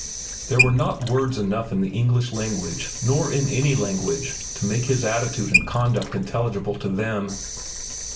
There were not words enough in the English language, nor in any language, to make his attitude and conduct intelligible to them.